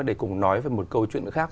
để cùng nói về một câu chuyện khác